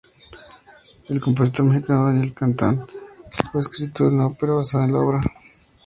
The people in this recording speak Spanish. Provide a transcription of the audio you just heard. El compositor mexicano Daniel Catán ha escrito una ópera basada en la obra.